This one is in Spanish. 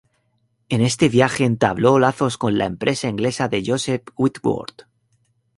En este viaje entabló lazos con la empresa inglesa de Joseph Whitworth.